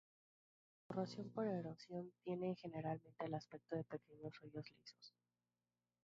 La corrosión por erosión tiene generalmente el aspecto de pequeños hoyos lisos.